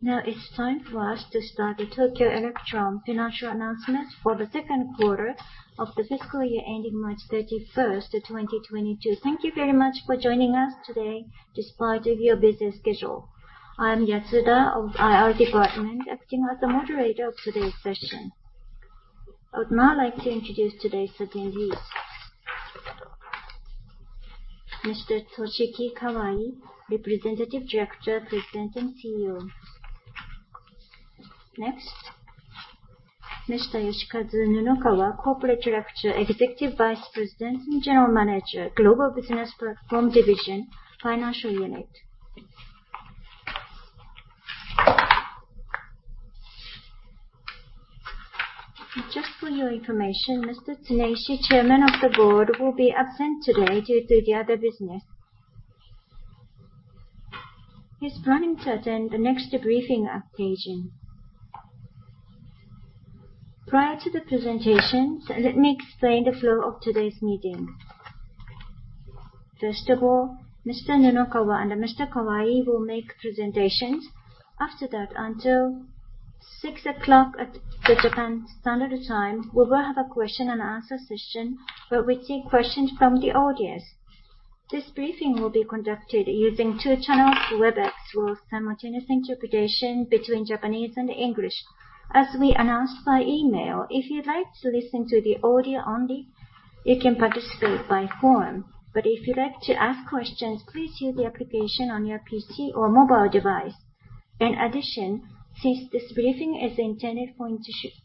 Now it's time for us to start the Tokyo Electron financial announcement for the second quarter of the fiscal year ending March 31, 2022. Thank you very much for joining us today despite of your busy schedule. I'm Yatsuda of IR Department, acting as the moderator of today's session. I would now like to introduce today's attendees. Mr. Toshiki Kawai, Representative Director, President, and CEO. Next, Mr. Yoshikazu Nunokawa, Corporate Director, Executive Vice President, and General Manager, Global Business Platform Division, Financial Unit. Just for your information, Mr. Tetsuro Higashi, Chairman of the Board, will be absent today due to the other business. He's planning to attend the next briefing occasion. Prior to the presentations, let me explain the flow of today's meeting. First of all, Mr. Nunokawa and Mr. Kawai will make presentations. After that, until 6:00 P.M. Japan Standard Time, we will have a question and answer session where we take questions from the audience. This briefing will be conducted using two channels, Webex with simultaneous interpretation between Japanese and English. As we announced by email, if you'd like to listen to the audio only, you can participate by phone. But if you'd like to ask questions, please use the application on your PC or mobile device. In addition, since this briefing is intended for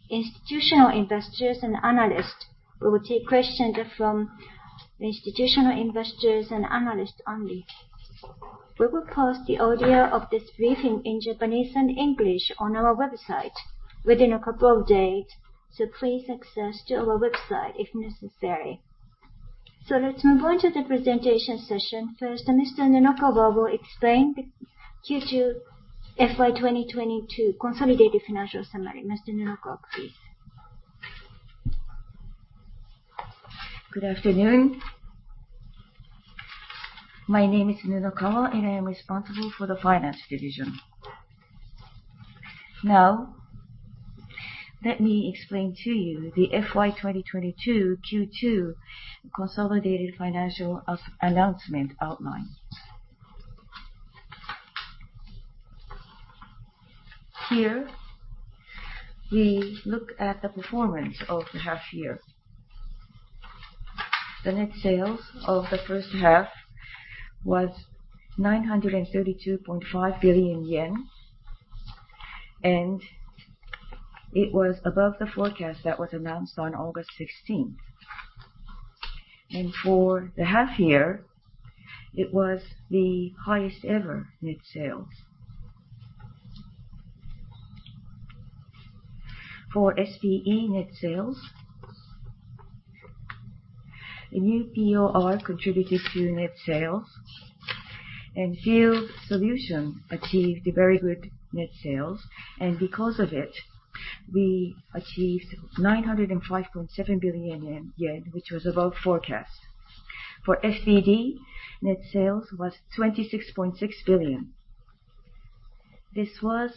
institutional investors and analysts, we will take questions from institutional investors and analysts only. We will post the audio of this briefing in Japanese and English on our website within a couple of days, so please access to our website if necessary. Let's move on to the presentation session. First, Mr. Nunokawa will explain the Q2 FY 2022 consolidated financial summary. Mr. Nunokawa, please. Good afternoon. My name is Nunokawa, and I am responsible for the finance division. Now, let me explain to you the FY 2022 Q2 consolidated financial announcement outline. Here, we look at the performance of the half year. The net sales of the first half was JPY 932.5 billion, and it was above the forecast that was announced on August 16. For the half year, it was the highest ever net sales. For SPE net sales, new POR contributed to net sales, and Field Solutions achieved a very good net sales. Because of it, we achieved 905.7 billion yen, which was above forecast. For FPD, net sales was 26.6 billion. This was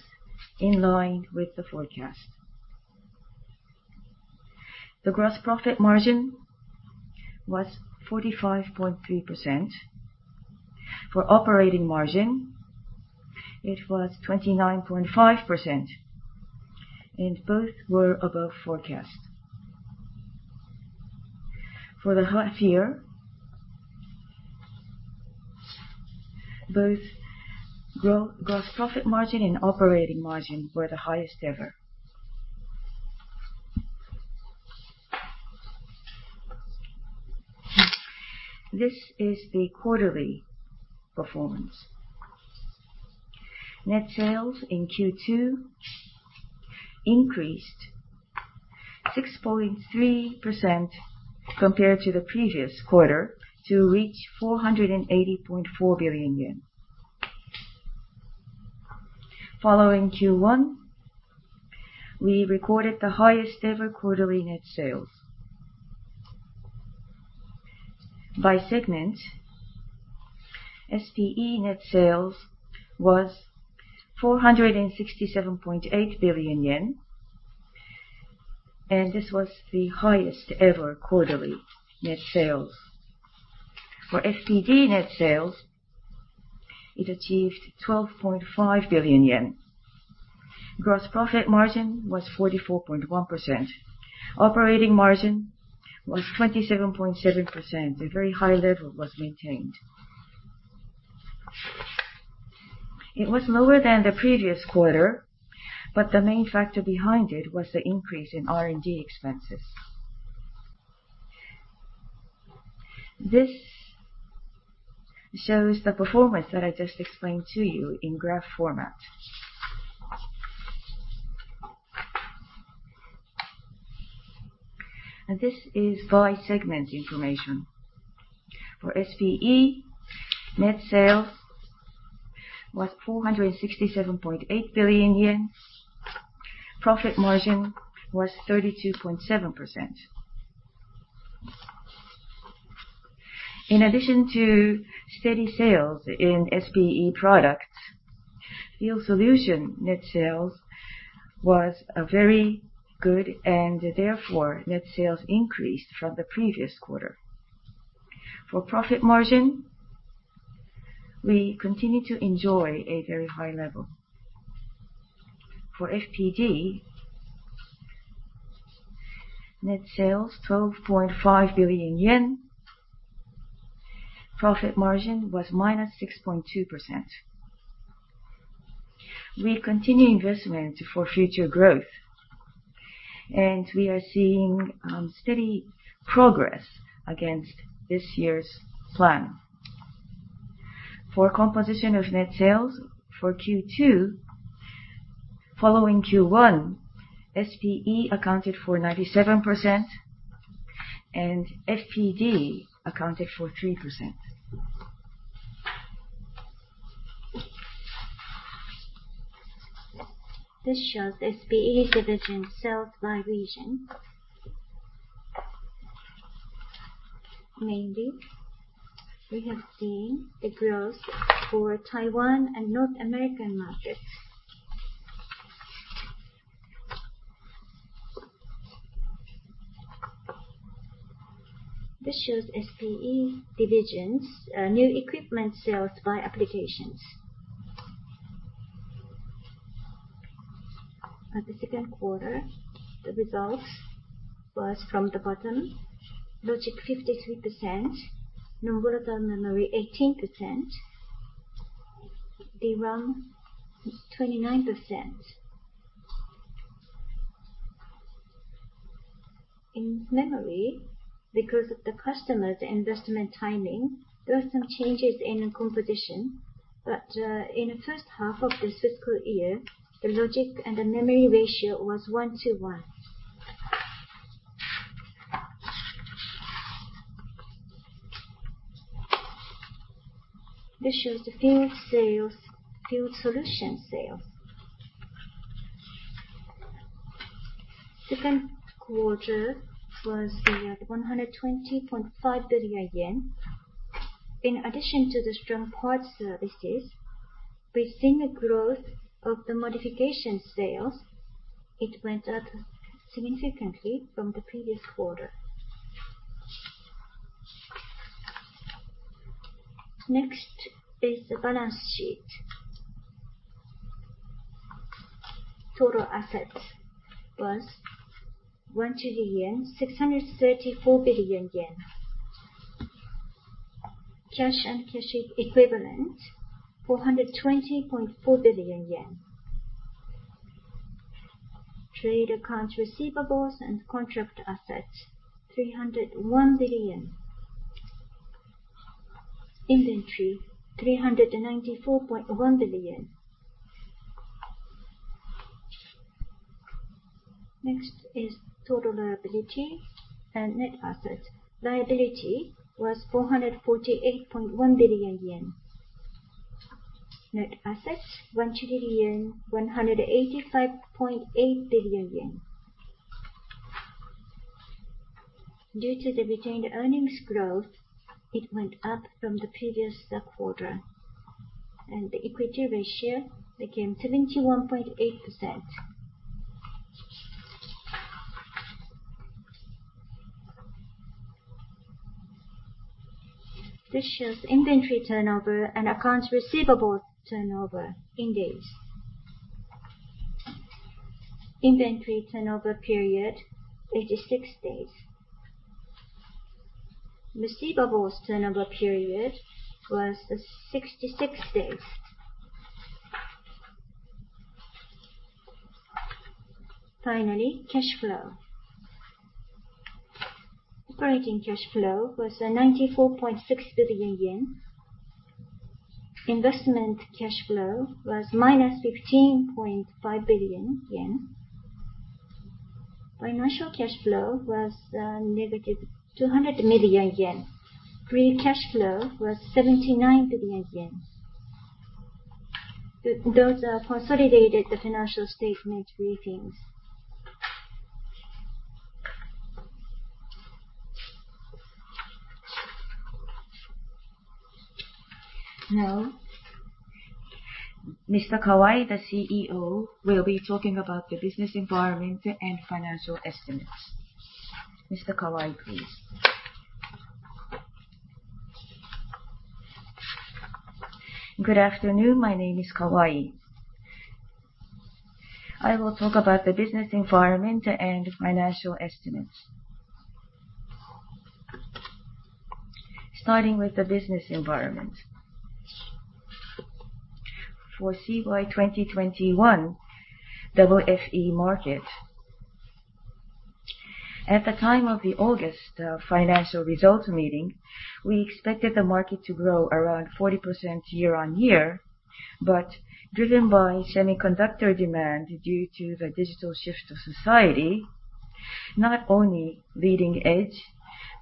in line with the forecast. The gross profit margin was 45.3%. For operating margin, it was 29.5%, and both were above forecast. For the half year, both gross profit margin and operating margin were the highest ever. This is the quarterly performance. Net sales in Q2 increased 6.3% compared to the previous quarter to reach 480.4 billion yen. Following Q1, we recorded the highest ever quarterly net sales. By segment, SPE net sales was 467.8 billion yen, and this was the highest ever quarterly net sales. For FPD net sales, it achieved 12.5 billion yen. Gross profit margin was 44.1%. Operating margin was 27.7%. A very high level was maintained. It was lower than the previous quarter, but the main factor behind it was the increase in R&D expenses. This shows the performance that I just explained to you in graph format. This is by segment information. For SPE, net sales was 467.8 billion yen. Profit margin was 32.7%. In addition to steady sales in SPE products, Field Solutions net sales was very good, and therefore, net sales increased from the previous quarter. For profit margin, we continue to enjoy a very high level. For FPD, net sales 12.5 billion yen. Profit margin was -6.2%. We continue investment for future growth, and we are seeing steady progress against this year's plan. For composition of net sales for Q2, following Q1, SPE accounted for 97% and FPD accounted for 3%. This shows SPE division sales by region. Mainly, we have seen the growth for Taiwan and North American markets. This shows SPE divisions new equipment sales by applications. At the second quarter, the results was from the bottom, logic 53%, non-volatile memory 18%, DRAM 29%. In memory, because of the customer's investment timing, there were some changes in the composition, but in the first half of this fiscal year, the logic and the memory ratio was 1:1. This shows the field sales, Field Solutions sales. Second quarter was 120.5 billion yen. In addition to the strong parts services, we've seen a growth of the modification sales. It went up significantly from the previous quarter. Next is the balance sheet. Total assets was JPY 1,634 billion. Cash and cash equivalent, JPY 420.4 billion. Trade accounts receivables and contract assets, 301 billion. Inventory, 394.1 billion. Next is total liability and net assets. Liability was 448.1 billion yen. Net assets, 1,185.8 billion yen. Due to the retained earnings growth, it went up from the previous quarter, and the equity ratio became 71.8%. This shows inventory turnover and accounts receivable turnover in days. Inventory turnover period, 86 days. Receivables turnover period was 66 days. Finally, cash flow. Operating cash flow was 94.6 billion yen. Investment cash flow was -15.5 billion yen. Financial cash flow was negative 200 million yen. Free cash flow was 79 billion yen. Those are consolidated, the financial statement briefings. Now, Mr. Kawai, the CEO, will be talking about the business environment and financial estimates. Mr. Kawai, please. Good afternoon. My name is Kawai. I will talk about the business environment and financial estimates. Starting with the business environment. For CY2021 WFE market, at the time of the August financial results meeting, we expected the market to grow around 40% year-on-year, but driven by semiconductor demand due to the digital shift of society, not only leading edge,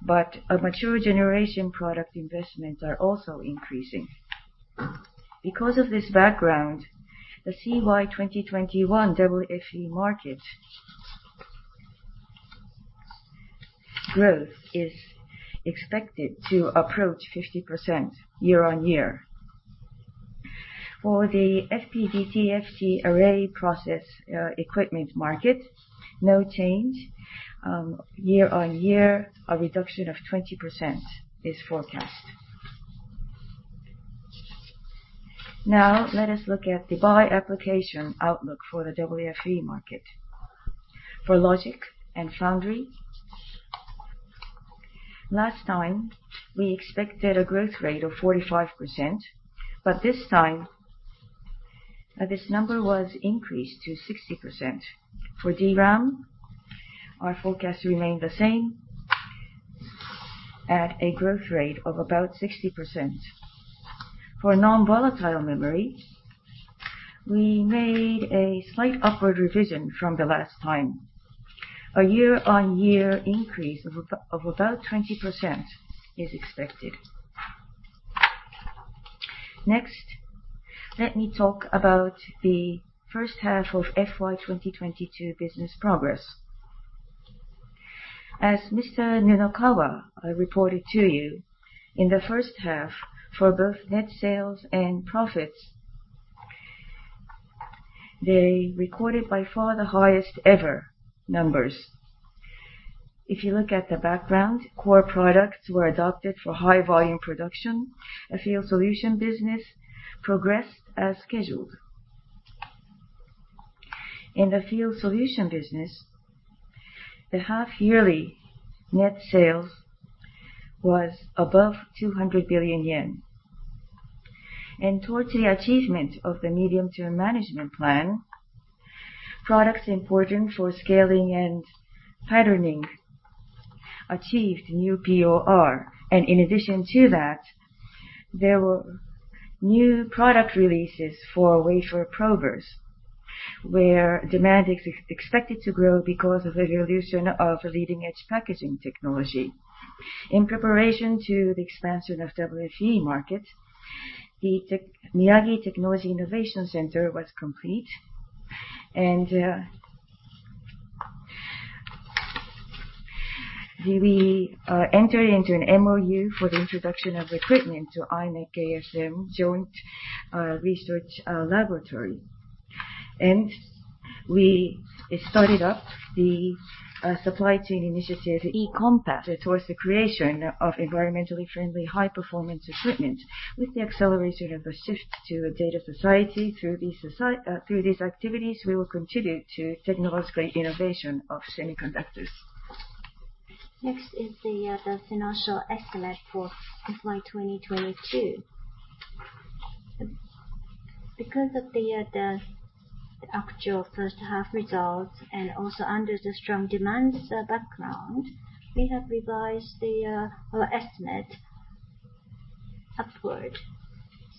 but a mature generation product investments are also increasing. Because of this background, the CY2021 WFE market growth is expected to approach 50% year-on-year. For the FPD TFT array process equipment market, no change. Year-on-year, a reduction of 20% is forecast. Now let us look at the by application outlook for the WFE market. For logic and foundry, last time we expected a growth rate of 45%, but this time this number was increased to 60%. For DRAM, our forecast remained the same at a growth rate of about 60%. For non-volatile memory, we made a slight upward revision from the last time. A year-on-year increase of about 20% is expected. Next, let me talk about the first half of FY 2022 business progress. As Mr. Nunokawa reported to you, in the first half for both net sales and profits, they recorded by far the highest ever numbers. If you look at the background, core products were adopted for high volume production. A Field Solutions business progressed as scheduled. In the Field Solutions business, the half yearly net sales was above 200 billion yen. Towards the achievement of the medium-term management plan, products important for scaling and patterning achieved new POR. In addition to that, there were new product releases for wafer probers, where demand is expected to grow because of the evolution of leading-edge packaging technology. In preparation to the expansion of WFE market, the Miyagi Technology Innovation Center was complete. We entered into an MOU for the introduction of equipment to imec Joint Research Laboratory. We started up the supply chain initiative, E-COMPASS, towards the creation of environmentally friendly high performance equipment. With the acceleration of a shift to a data society through these activities, we will continue to technological innovation of semiconductors. Next is the financial estimate for FY 2022. Because of the actual first half results and also under the strong demand background, we have revised our estimate upward.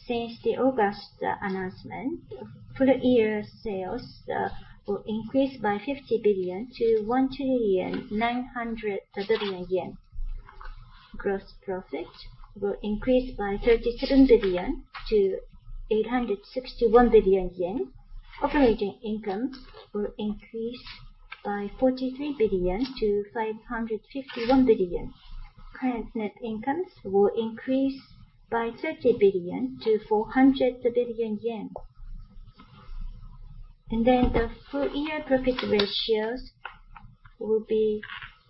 Since the August announcement, full year sales will increase by 50 billion to 1.9 trillion. Gross profit will increase by 37 billion to 861 billion yen. Operating income will increase by 43 billion to 551 billion. Current net incomes will increase by 30 billion to 400 billion yen. The full year profit ratios will be,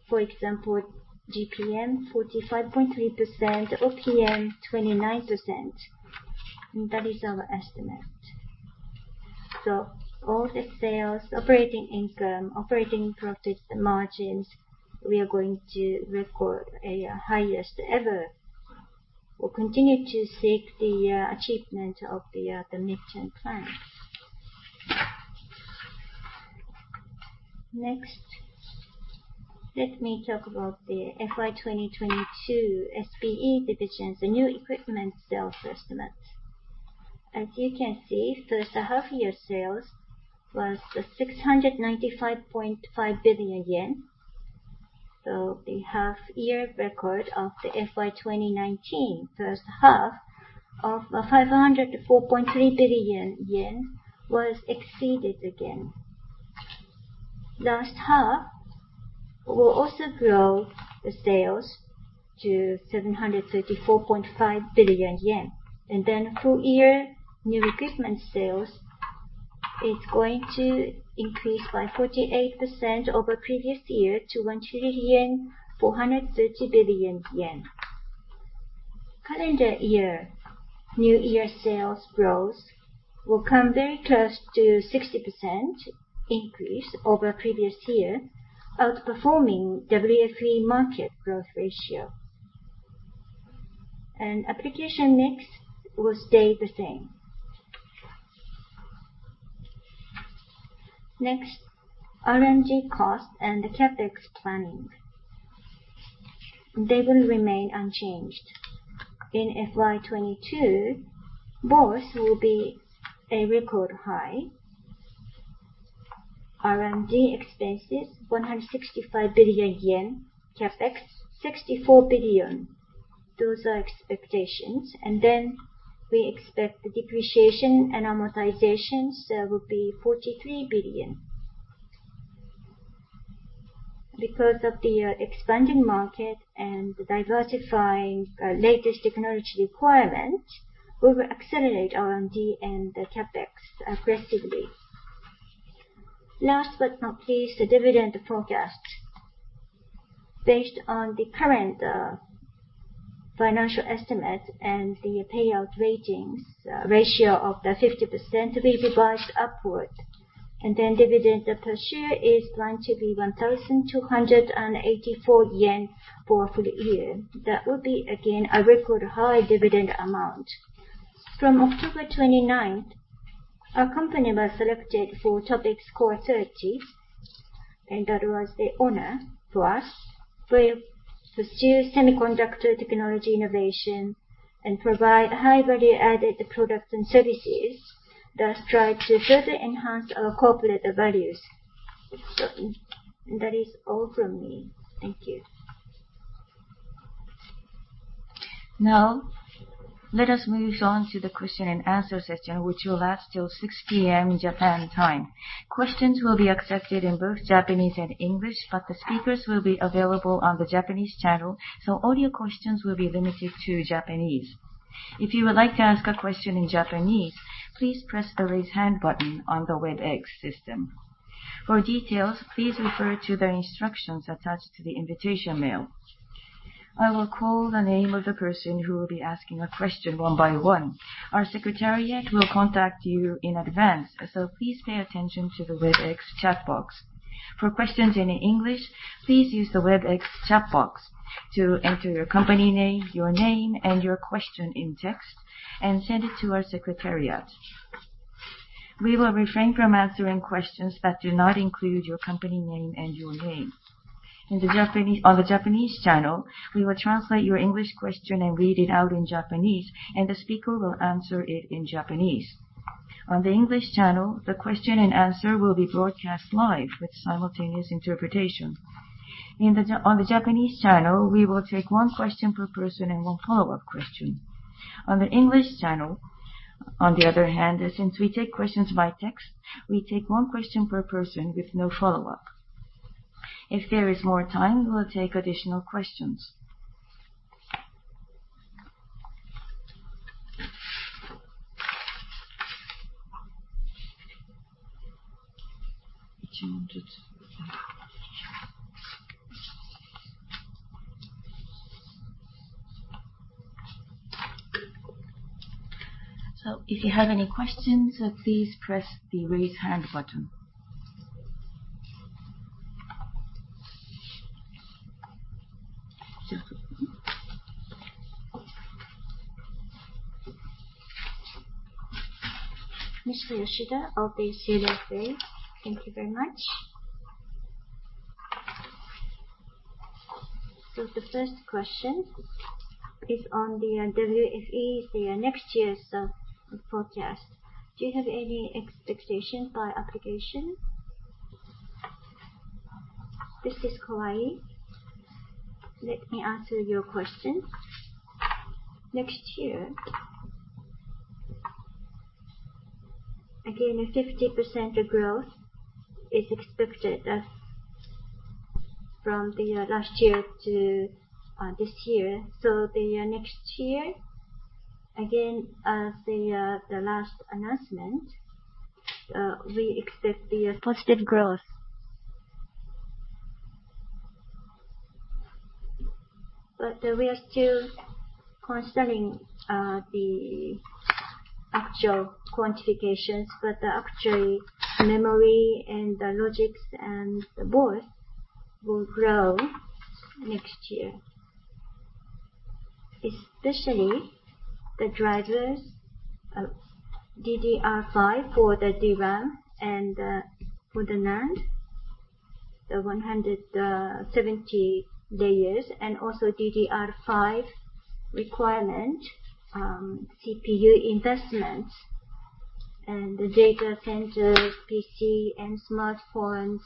for example, GPM 45.3%, OPM 29%. That is our estimate. All the sales, operating income, operating profit margins, we are going to record a highest ever. We'll continue to seek the achievement of the midterm plan. Next, let me talk about the FY 2022 SBE divisions, the new equipment sales estimate. As you can see, first half-year sales was 695.5 billion yen. The half-year record of the FY 2019 first half of five hundred and four point three billion yen was exceeded again. Second half will also grow the sales to 734.5 billion yen. Full year new equipment sales is going to increase by 48% over previous year to 1,430 billion yen. Calendar year, new equipment sales growth will come very close to 60% increase over previous year, outperforming WFE market growth ratio. Application mix will stay the same. Next, R&D cost and the CapEx planning, they will remain unchanged. In FY 2022, both will be a record high. R&D expenses 165 billion yen. CapEx 64 billion. Those are expectations. We expect the depreciation and amortizations will be 43 billion. Because of the expanding market and diversifying latest technology requirement, we will accelerate R&D and the CapEx aggressively. Last but not least, the dividend forecast. Based on the current financial estimate and the payout ratio of 50% will be revised upward. Dividend per share is going to be 1,284 yen for full year. That will be, again, a record high dividend amount. From October twenty-ninth, our company was selected for TOPIX Core30, and that was the honor to us. We'll pursue semiconductor technology innovation and provide high value-added products and services, thus try to further enhance our corporate values. That is all from me. Thank you. Now, let us move on to the question and answer session, which will last till 6:00 P.M. Japan time. Questions will be accepted in both Japanese and English, but the speakers will be available on the Japanese channel, so all your questions will be limited to Japanese. If you would like to ask a question in Japanese, please press the Raise Hand button on the Webex system. For details, please refer to the instructions attached to the invitation mail. I will call the name of the person who will be asking a question one by one. Our secretariat will contact you in advance, so please pay attention to the Webex chat box. For questions in English, please use the Webex chat box to enter your company name, your name, and your question in text, and send it to our secretariat. We will refrain from answering questions that do not include your company name and your name. On the Japanese channel, we will translate your English question and read it out in Japanese, and the speaker will answer it in Japanese. On the English channel, the question and answer will be broadcast live with simultaneous interpretation. On the Japanese channel, we will take one question per person and one follow-up question. On the English channel, on the other hand, since we take questions by text, we take one question per person with no follow-up. If there is more time, we will take additional questions. If you have any questions, please press the Raise Hand button. Mr. Yoshida of CLSA. Thank you very much. The first question is on the WFE, the next year's forecast. Do you have any expectation by application? This is Kawai. Let me answer your question. Next year, again, a 50% growth is expected as from the last year to this year. The next year, again, as the last announcement, we expect the positive growth. But we are still considering the actual quantifications, but actually memory and the logic and both will grow next year. Especially the drivers of DDR5 for the DRAM and for the NAND, the 170 layers, and also DDR5 requirement, CPU investment, and the data centers, PC, and smartphone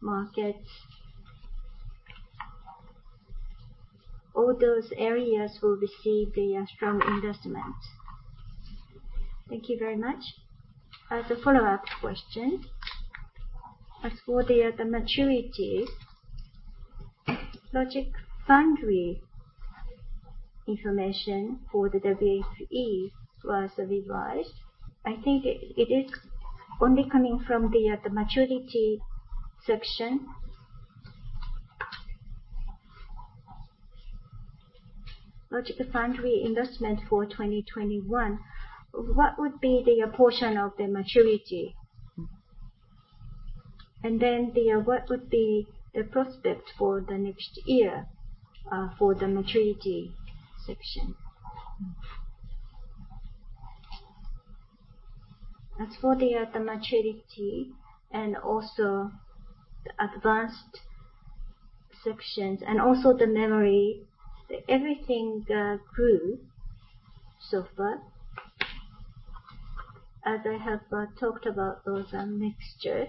markets. All those areas will receive the strong investment. Thank you very much. As a follow-up question, as for the maturity logic foundry information for the WFE was revised. I think it is only coming from the maturity section. Logic foundry investment for 2021, what would be the portion of the maturity? Then what would be the prospects for the next year for the maturity section? As for the maturity and also the advanced sections and also the memory, everything grew so far. As I have talked about those mixture.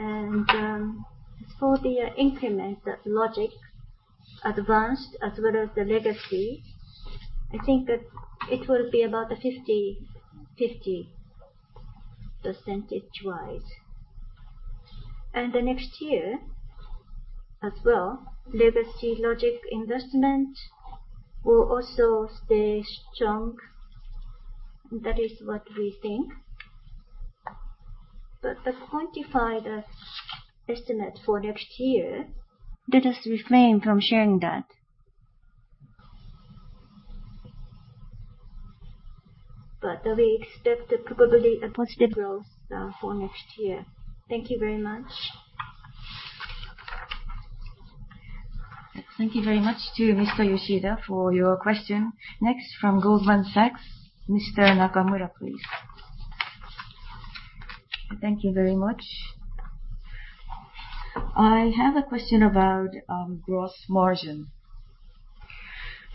As for the increment, that logic advanced as well as the legacy. I think that it will be about a 50/50 percentage-wise. The next year as well, legacy logic investment will also stay strong. That is what we think. To quantify the estimate for next year, let us refrain from sharing that. We expect probably a positive growth for next year. Thank you very much. Thank you very much to Mr. Yoshida for your question. Next from Goldman Sachs, Mr. Nakamura, please. Thank you very much. I have a question about gross margin.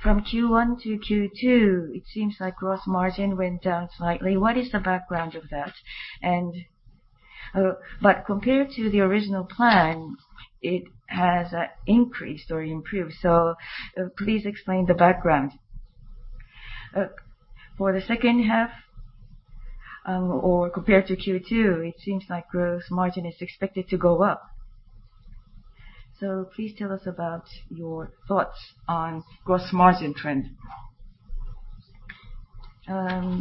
From Q1 to Q2, it seems like gross margin went down slightly. What is the background of that? Compared to the original plan, it has increased or improved. Please explain the background. For the second half, or compared to Q2, it seems like gross margin is expected to go up. Please tell us about your thoughts on gross margin trend.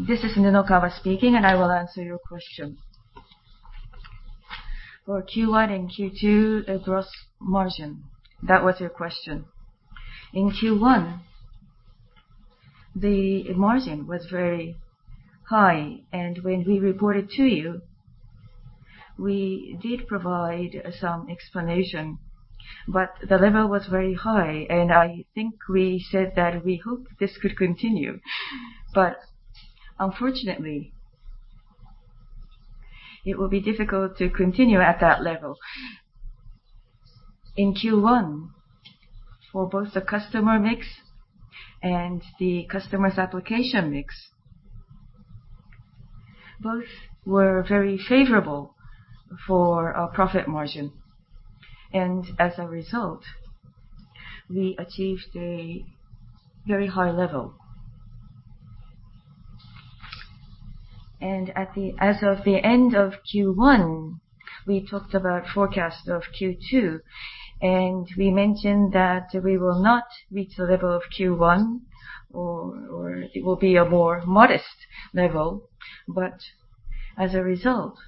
This is Nunokawa speaking, and I will answer your question. For Q1 and Q2, the gross margin. That was your question. In Q1, the margin was very high, and when we reported to you, we did provide some explanation, but the level was very high. I think we said that we hope this could continue. Unfortunately, it will be difficult to continue at that level. In Q1, for both the customer mix and the customer's application mix, both were very favorable for our profit margin. As a result, we achieved a very high level. As of the end of Q1, we talked about forecast of Q2, and we mentioned that we will not reach the level of Q1 or it will be a more modest level. As a result,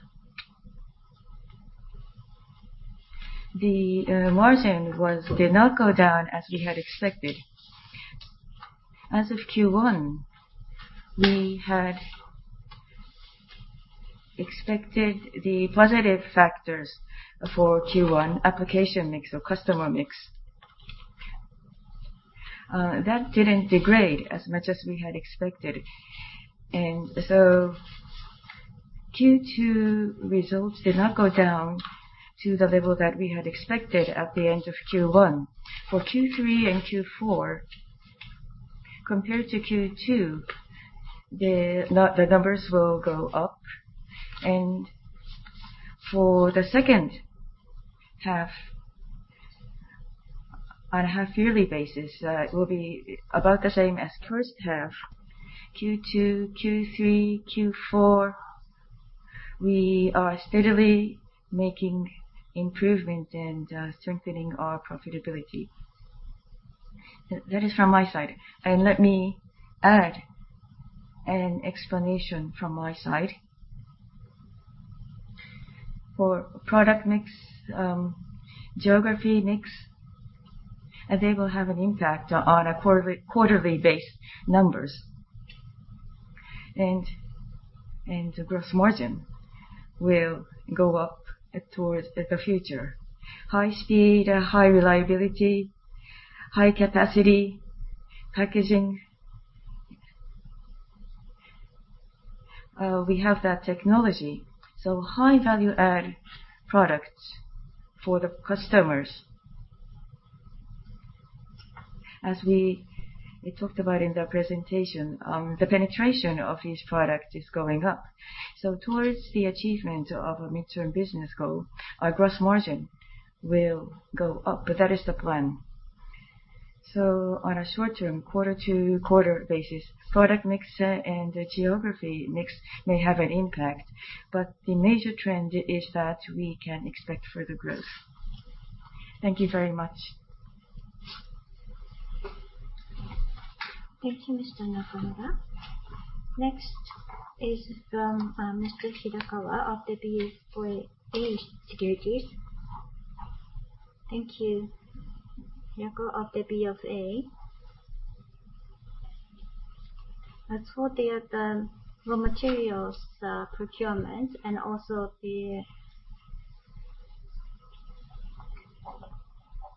the margin did not go down as we had expected. As of Q1, we had expected the positive factors for Q1 application mix or customer mix. That didn't degrade as much as we had expected. Q2 results did not go down to the level that we had expected at the end of Q1. For Q3 and Q4, compared to Q2, the numbers will go up. For the second half, on a half-yearly basis, it will be about the same as first half. Q2, Q3, Q4, we are steadily making improvement and strengthening our profitability. That is from my side. Let me add an explanation from my side. For product mix, geography mix, they will have an impact on a quarterly based numbers. And the gross margin will go up towards the future. High speed, high reliability, high capacity, packaging. We have that technology. High value add products for the customers. As we talked about in the presentation, the penetration of these products is going up. Towards the achievement of a midterm business goal, our gross margin will go up, but that is the plan. On a short-term, quarter-over-quarter basis, product mix, and geography mix may have an impact, but the major trend is that we can expect further growth. Thank you very much. Thank you, Mr. Nakamura. Next is from Mr. Hirakawa of BofA Securities. Thanks you. Hirakawa of the BofA. As for the raw materials procurement and also the.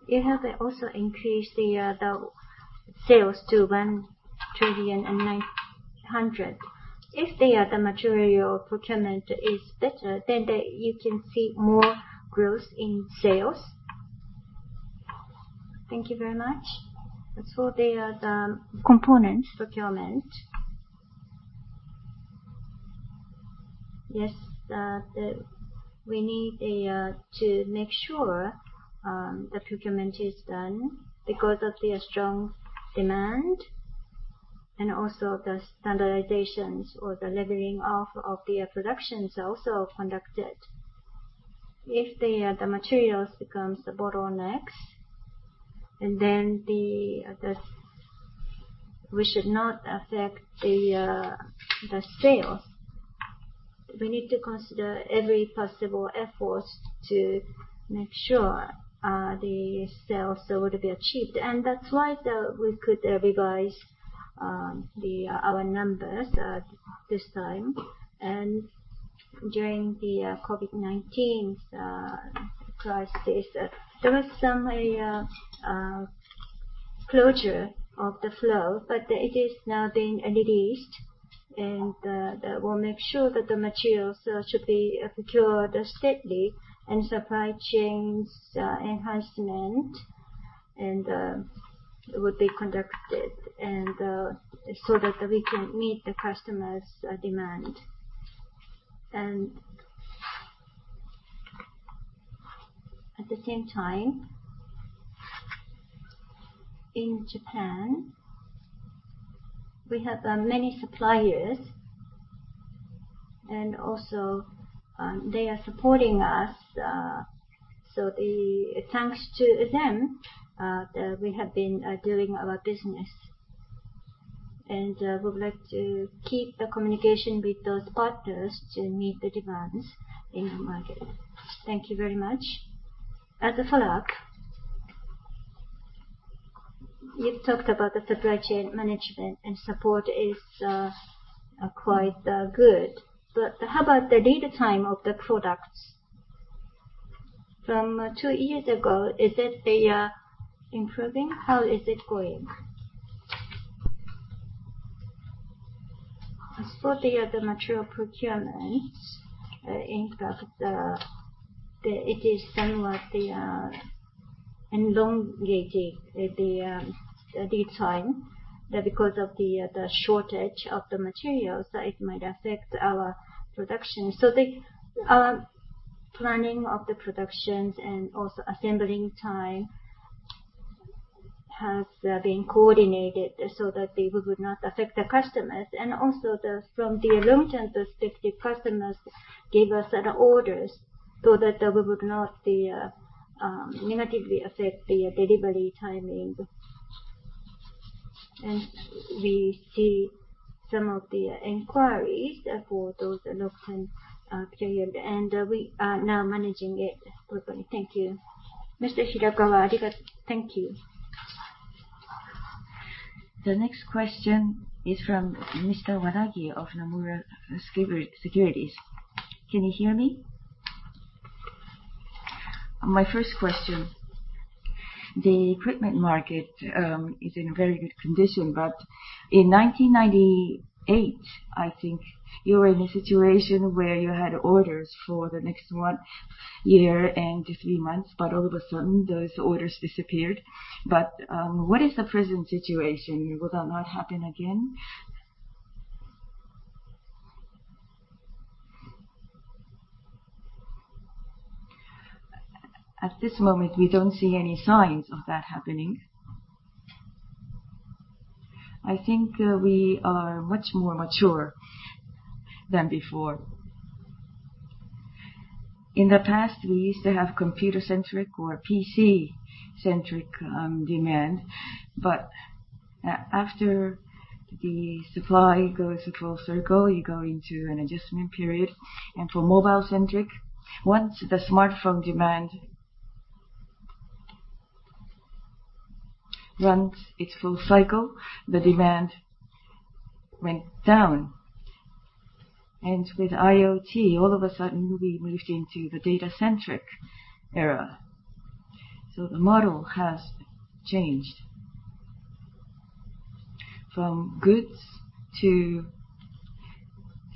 You have also increased the sales to JPY 1.9 trillion. If the material procurement is better, then you can see more growth in sales? Thank you very much. As for the component procurement. Yes, the. We need to make sure the procurement is done because of the strong demand and also the standardizations or the leveling off of the production is also conducted. If the materials becomes the bottlenecks, and then the. We should not affect the sales. We need to consider every possible efforts to make sure the sales would be achieved. That's why we could revise our numbers at this time. During the COVID-19 crisis, there was some closure of the flow, but it is now being released. We'll make sure that the materials should be procured steadily and supply chains enhancement would be conducted so that we can meet the customers' demand. At the same time, in Japan, we have many suppliers and also they are supporting us. Thanks to them, we have been doing our business. We would like to keep a communication with those partners to meet the demands in the market. Thank you very much. As a follow-up, you've talked about the supply chain management and support is quite good, but how about the lead time of the products? From two years ago, is it, they are improving? How is it going? As for the material procurement impact, it is somewhat elongating the lead time because of the shortage of the materials, it might affect our production. The planning of the productions and also assembling time has been coordinated so that they would not affect the customers. From the long-term perspective, customers gave us an orders so that we would not negatively affect the delivery timing. We see some of the inquiries for those long-term period, and we are now managing it properly. Thank you. Mr. Hirakawa, thank you. The next question is from Mr. Wadaki of Nomura Securities. Can you hear me? My first question, the equipment market is in very good condition, but in 1998, I think you were in a situation where you had orders for the next one year and three months, but all of a sudden those orders disappeared. What is the present situation? Will that not happen again? At this moment, we don't see any signs of that happening. I think we are much more mature than before. In the past, we used to have computer-centric or PC-centric demand. But after the supply goes a full circle, you go into an adjustment period. For mobile-centric, once the smartphone demand runs its full cycle, the demand went down. With IoT, all of a sudden we moved into the data-centric era. The model has changed from goods to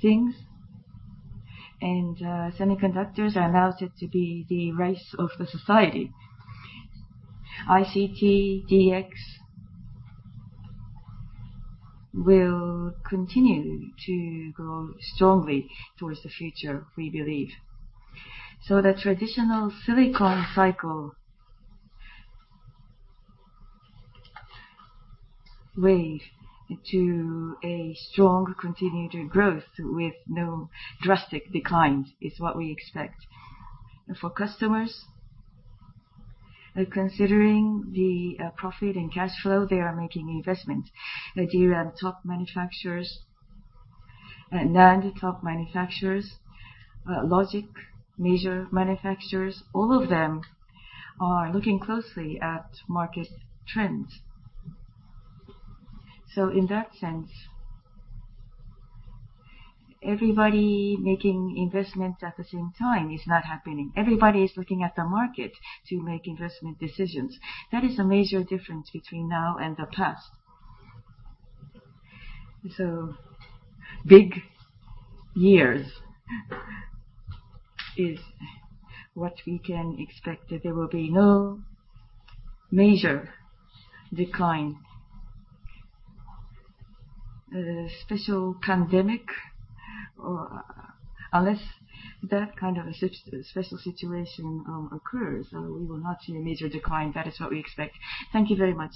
things, and semiconductors are now said to be the rice of the society. ICT, DX will continue to grow strongly towards the future, we believe. The traditional Silicon Cycle wave to a strong continued growth with no drastic decline is what we expect. For customers, considering the profit and cash flow, they are making investments. The DRAM top manufacturers, NAND top manufacturers, logic major manufacturers, all of them are looking closely at market trends. In that sense, everybody making investments at the same time is not happening. Everybody is looking at the market to make investment decisions. That is a major difference between now and the past. Big years is what we can expect that there will be no major decline. Unless that kind of a special situation occurs, we will not see a major decline. That is what we expect. Thank you very much.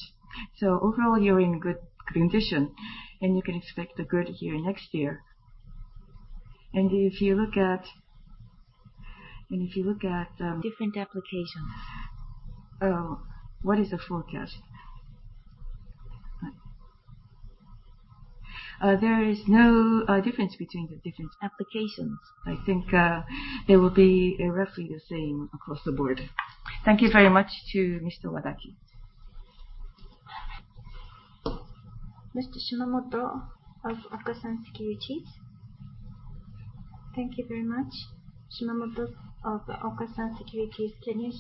Overall, you're in good condition, and you can expect a good year next year. If you look at Different applications. What is the forecast? There is no difference between the different Applications. I think, there will be roughly the same across the board. Thank you very much to Mr. Wadaki. Mr. Shimamoto of Okasan Securities. Thank you very much. Can you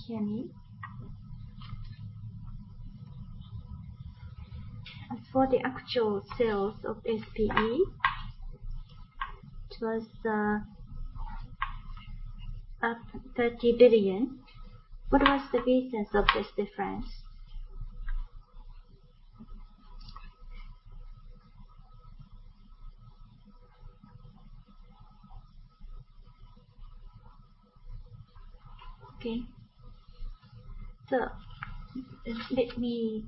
hear me? As for the actual sales of SPE, it was up 30 billion. What was the reasons of this difference? Okay. Let me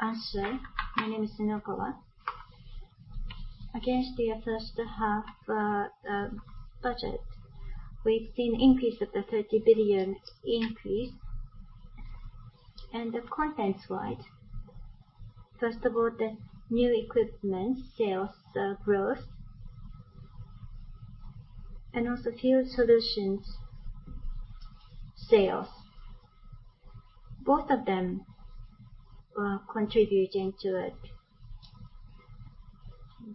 answer. My name is Nunokawa. Against the first half budget, we've seen increase of the 30 billion increase. The contents-wise, first of all, the new equipment sales growth, and also Field Solutions sales, both of them contributing to it.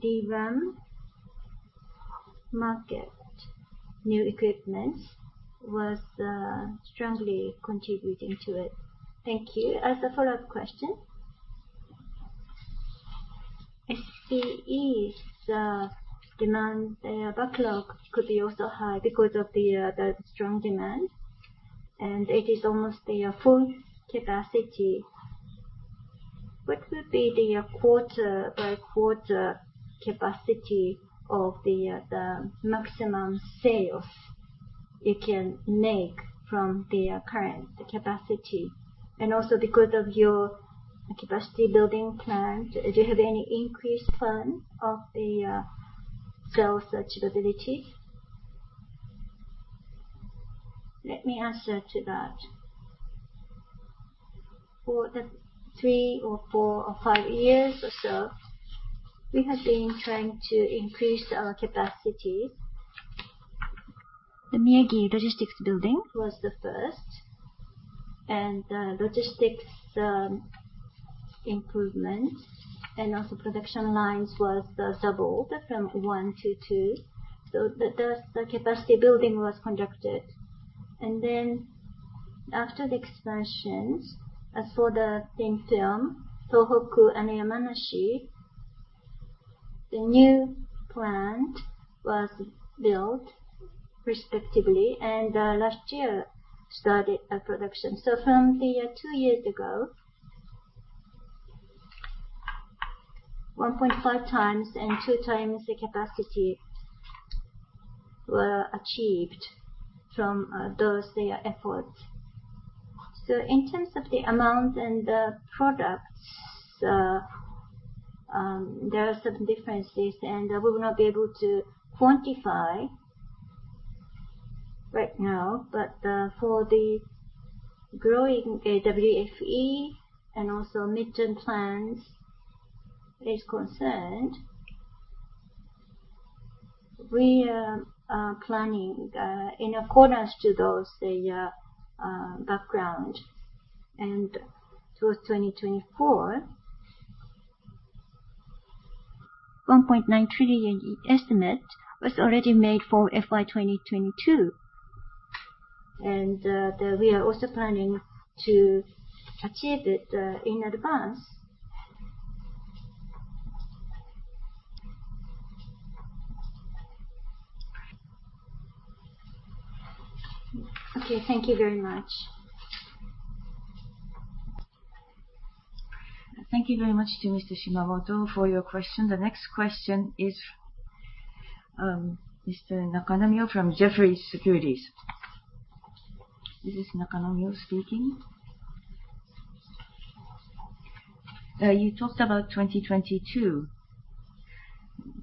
The DRAM market new equipment was strongly contributing to it. Thank you. As a follow-up question, SPE's demand, their backlog could be also high because of the strong demand, and it is almost their full capacity. What would be the quarter-by-quarter capacity of the maximum sales you can make from the current capacity? Because of your capacity building plans, do you have any increased plan of the sales capabilities? Let me answer to that. For the 3 or 4 or 5 years or so, we have been trying to increase our capacity. The Miyagi Logistics Building was the first, and logistics improvement and also production lines was doubled from 1 to 2. So the capacity building was conducted. After the expansions, as for the thin film, Tohoku and Yamanashi, the new plant was built respectively and last year started production. So from two years ago, 1.5 times and 2 times the capacity were achieved from those efforts. In terms of the amount and the products, there are some differences, and we will not be able to quantify right now. For the growing WFE and also midterm plans is concerned, we are planning in accordance to those background. Towards 2024, 1.9 trillion estimate was already made for FY 2022. We are also planning to achieve it in advance. Okay. Thank you very much. Thank you very much to Mr. Shimamoto for your question. The next question is Mr. Nakanomyo from Jefferies Securities. This is Nakanomyo speaking. You talked about 2022,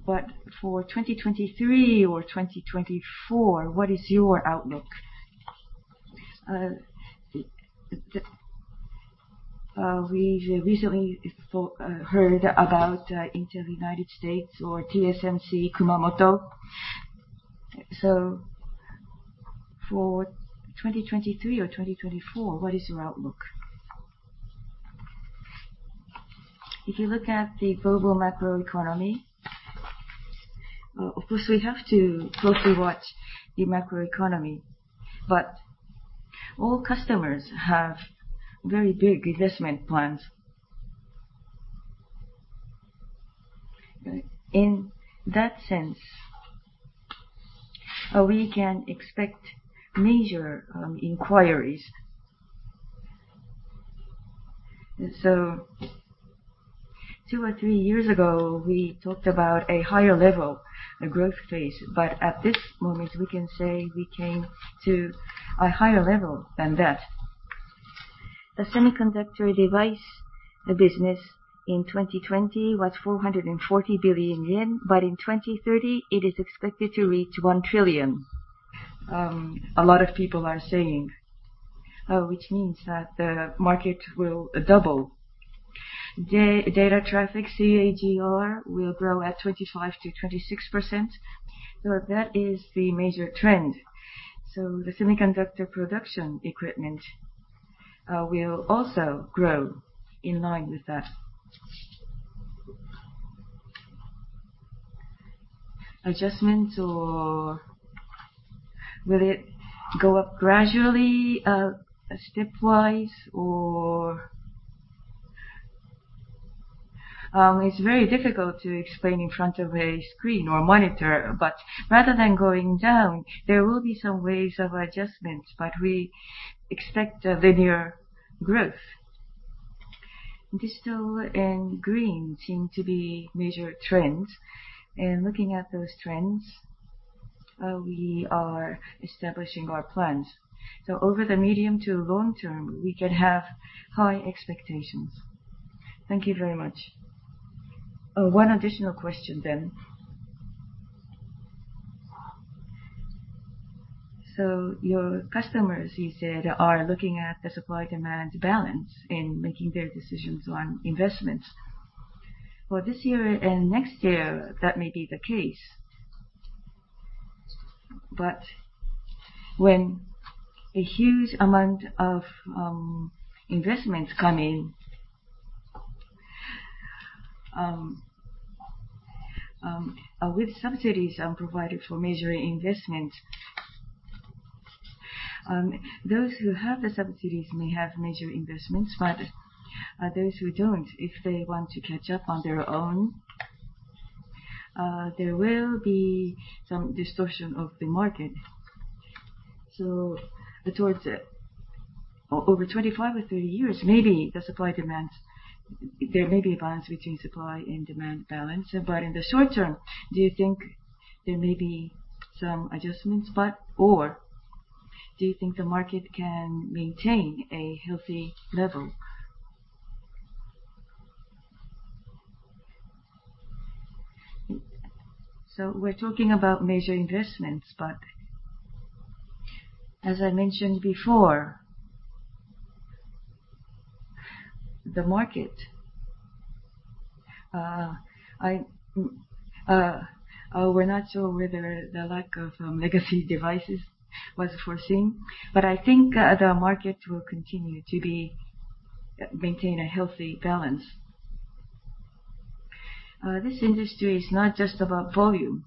but for 2023 or 2024, what is your outlook? We recently heard about Intel United States or TSMC Kumamoto. For 2023 or 2024, what is your outlook? If you look at the global macroeconomy. Of course, we have to closely watch the macroeconomy, but all customers have very big investment plans. In that sense, we can expect major inquiries. Two or three years ago, we talked about a higher level, a growth phase, but at this moment, we can say we came to a higher level than that. The semiconductor device, the business in 2020 was 440 billion yen, but in 2030, it is expected to reach 1 trillion. A lot of people are saying, which means that the market will double. Data traffic CAGR will grow at 25%-26%. That is the major trend. The semiconductor production equipment will also grow in line with that. Adjustment or will it go up gradually, stepwise. It's very difficult to explain in front of a screen or monitor, but rather than going down, there will be some ways of adjustments, but we expect a linear growth. Digital and green seem to be major trends, and looking at those trends, we are establishing our plans. Over the medium to long term, we can have high expectations. Thank you very much. One additional question. Your customers, you said, are looking at the supply-demand balance in making their decisions on investments. For this year and next year, that may be the case. When a huge amount of investment come in with subsidies provided for major investment, those who have the subsidies may have major investments. Those who don't, if they want to catch up on their own, there will be some distortion of the market. Towards over 25 or 30 years, maybe the supply-demand balance. There may be a balance between supply and demand balance. In the short term, do you think there may be some adjustments, or do you think the market can maintain a healthy level? We're talking about major investments, but as I mentioned before, the market, we're not sure whether the lack of legacy devices was foreseen, but I think the market will continue to maintain a healthy balance. This industry is not just about volume.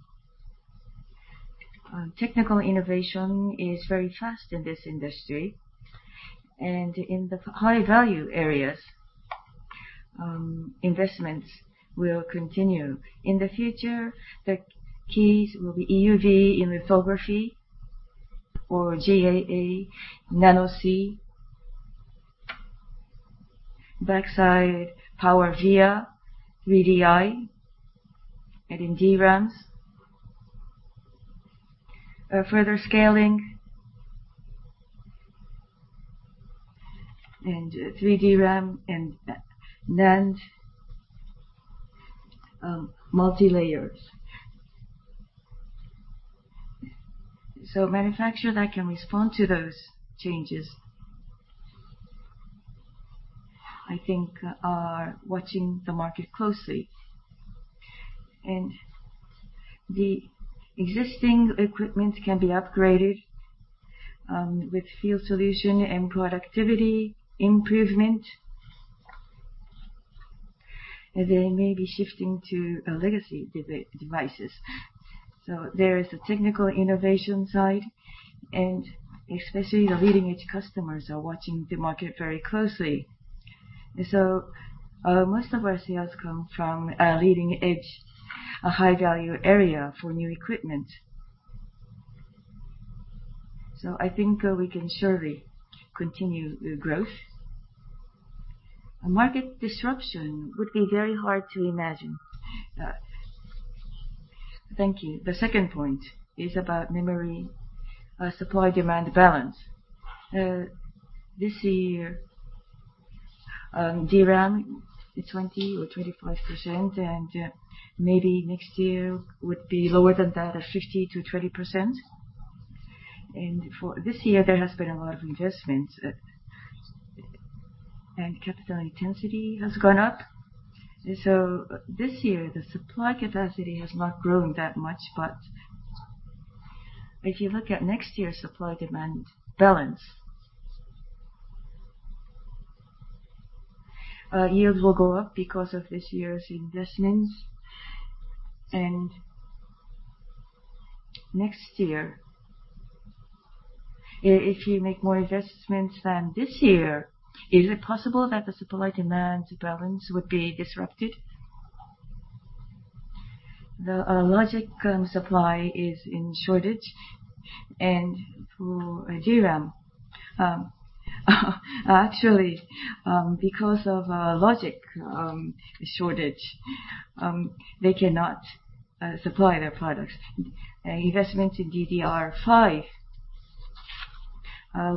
Technical innovation is very fast in this industry, and in the high-value areas, investments will continue. In the future, the keys will be EUV in lithography or GAA, nanosheet, Backside Power Via, 3D IC, and in DRAMs, further scaling, and 3D DRAM and NAND multilayers. Manufacturers that can respond to those changes, I think are watching the market closely. The existing equipment can be upgraded with Field Solutions and productivity improvement. They may be shifting to legacy devices. There is a technical innovation side, and especially the leading-edge customers are watching the market very closely. Most of our sales come from leading-edge, a high-value area for new equipment. I think we can surely continue the growth. A market disruption would be very hard to imagine. Thank you. The second point is about memory supply-demand balance. This year, DRAM is 20% or 25%, and maybe next year would be lower than that, at 15%-20%. For this year, there has been a lot of investments, and capital intensity has gone up. This year, the supply capacity has not grown that much. If you look at next year's supply-demand balance, yields will go up because of this year's investments. Next year, if you make more investments than this year, is it possible that the supply-demand balance would be disrupted? The logic supply is in shortage and for DRAM, actually, because of logic shortage, they cannot supply their products. Investment in DDR5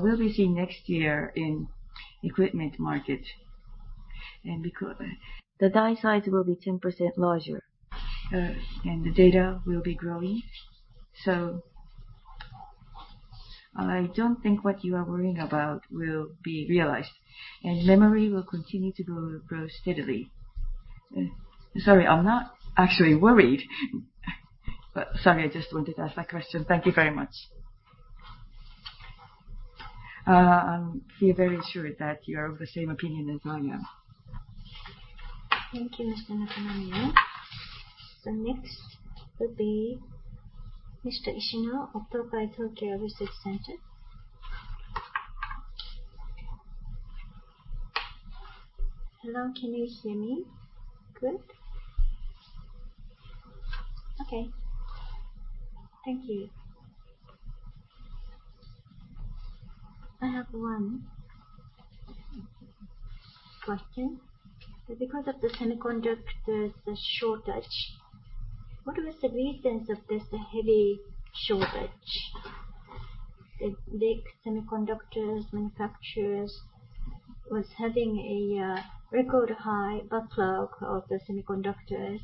will be seen next year in equipment market. The die size will be 10% larger, and the data will be growing. I don't think what you are worrying about will be realized, and memory will continue to grow steadily. Sorry, I'm not actually worried. Sorry, I just wanted to ask that question. Thank you very much. I feel very assured that you are of the same opinion as I am. Thank you, Mr. Nakanomyo. Next will be Mr. Kamisaki of Tokai Tokyo Intelligence Laboratory. Hello, can you hear me? Good. Okay. Thank you. I have one question. Because of the semiconductor shortage, what were the reasons of this heavy shortage? The big semiconductor manufacturers were having a record high backlog of the semiconductors.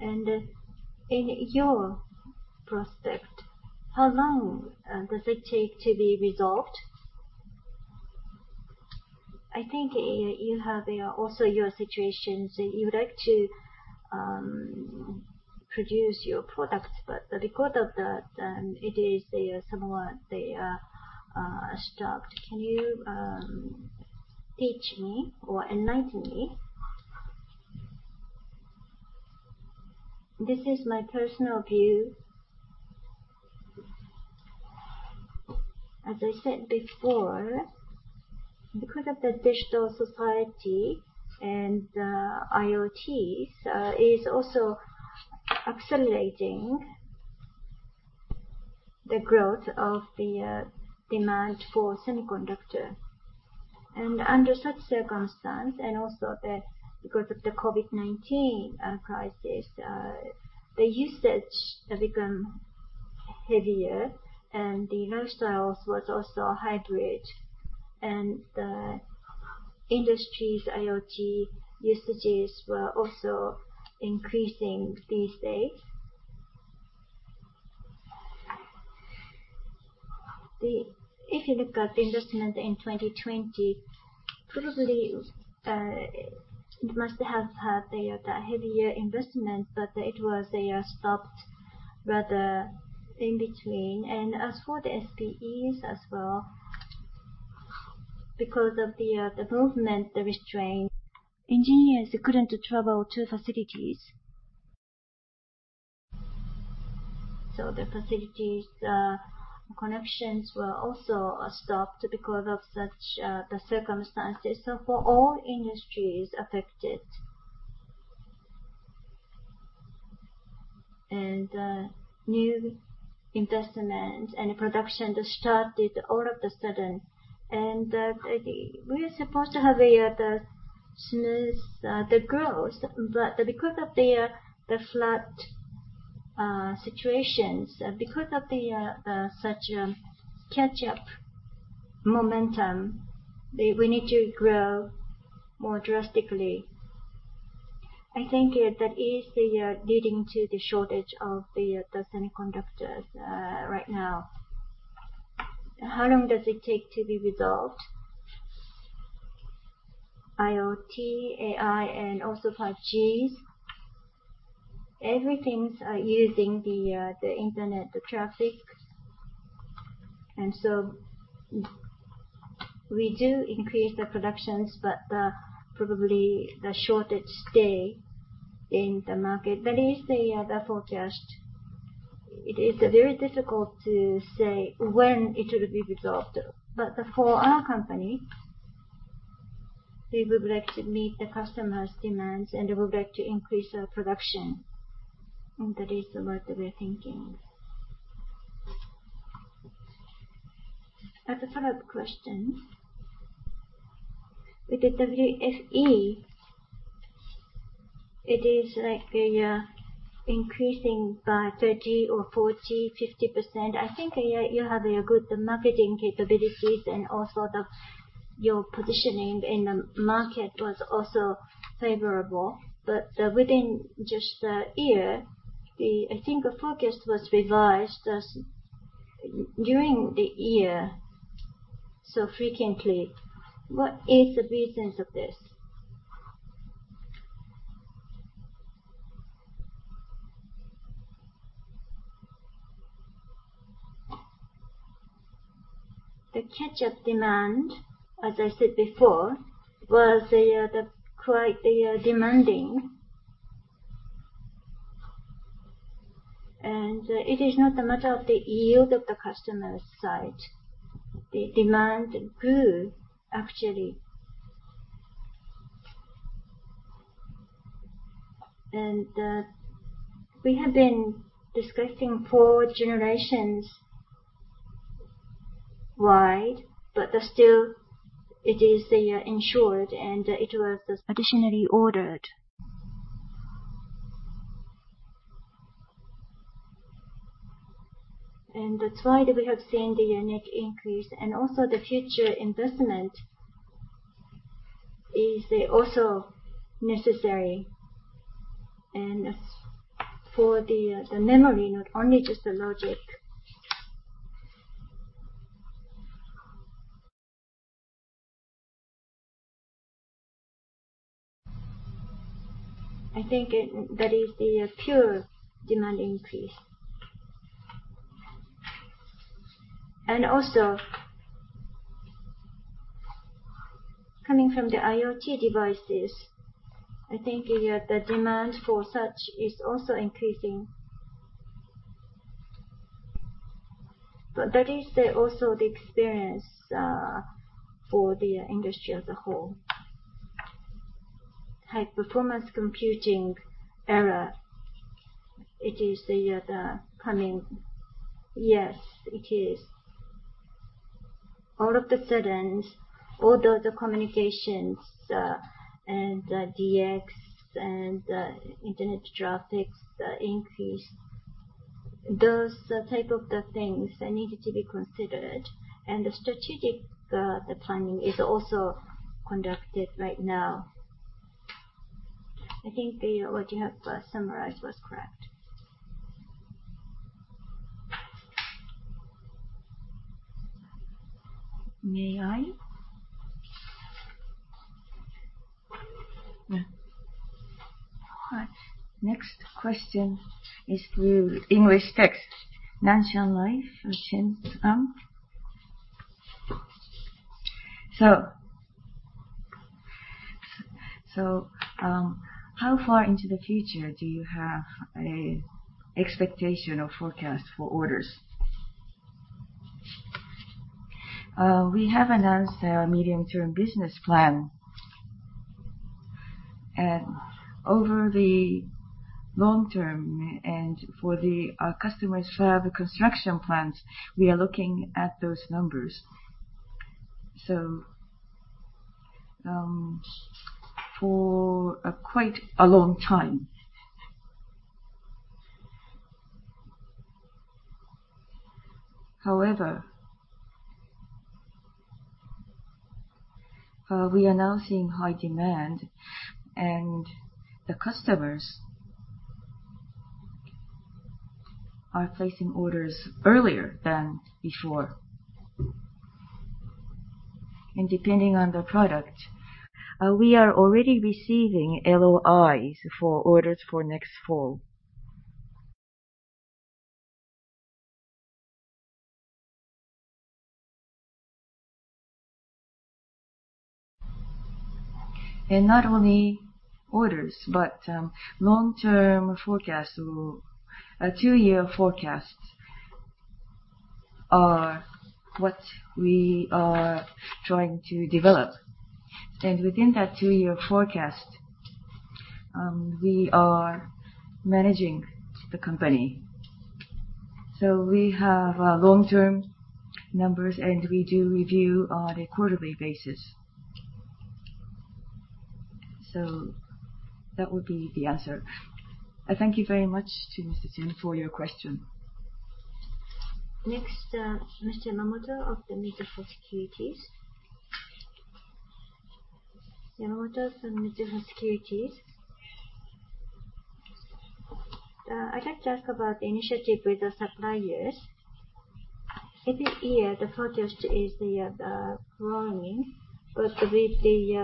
In your prospect, how long does it take to be resolved? I think you have also your situations, you would like to produce your products, but the record of that, it is, they are somewhat stopped. Can you teach me or enlighten me? This is my personal view. As I said before, because of the digital society and IoT is also accelerating the growth of the demand for semiconductor. Under such circumstance, and also because of the COVID-19 crisis, the usage have become heavier, and the lifestyles was also hybrid. The industries' IoT usages were also increasing these days. If you look at the investment in 2020, probably, it must have had the heavier investment, but it was, they are stopped rather in between. As for the SPEs as well, because of the movement, the restraint, engineers couldn't travel to facilities. The facilities connections were also stopped because of such the circumstances. For all industries affected. New investment and production started all of a sudden. We are supposed to have the smooth growth, but because of the flat situations, because of such catch-up momentum, we need to grow more drastically. I think that is the leading to the shortage of the semiconductors right now. How long does it take to be resolved? IoT, AI, and also 5G, everything's using the internet traffic. We do increase the productions, but probably the shortage stay in the market. That is the forecast. It is very difficult to say when it will be resolved. For our company, we would like to meet the customers' demands, and we would like to increase our production. That is what we're thinking. As a follow-up question, with the WFE, it is like increasing by 30 or 40, 50%. I think you have good marketing capabilities and also your positioning in the market was also favorable. Within just a year, I think the forecast was revised during the year so frequently. What is the reasons of this? The catch-up demand, as I said before, was quite demanding. It is not a matter of the yield of the customer's side. The demand grew, actually. We have been discussing four generations wide, but still it is ensured and it was additionally ordered. That's why we have seen the unique increase and also the future investment is also necessary. For the memory, not only just the logic. I think that is the pure demand increase. Coming from the IoT devices, I think, the demand for such is also increasing. That is also the experience for the industry as a whole. High performance computing era, it is the coming. Yes, it is. All of a sudden, all the communications and DX and internet traffic's increase, those type of the things needed to be considered. The strategic planning is also conducted right now. I think what you have summarized was correct. May I? Yeah. Next question is through English text. Nanshan Life, Shen Tam. How far into the future do you have an expectation or forecast for orders? We have announced our medium-term business plan. Over the long term and for the customers who have construction plans, we are looking at those numbers. For quite a long time. However, we are now seeing high demand, and the customers are placing orders earlier than before. Depending on the product, we are already receiving LOIs for orders for next fall. Not only orders, but long-term forecasts, a two-year forecast are what we are trying to develop. Within that two-year forecast, we are managing the company. We have long-term numbers, and we do review on a quarterly basis. That would be the answer. Thank you very much to Mr. Shen Tam for your question. Next, Mr. Yamamoto of the Mitsubishi Securities. Yamamoto from Mitsubishi Securities. I'd like to ask about the initiative with the suppliers. Every year, the forecast is growing, but with